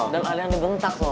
dan ada yang dibentak so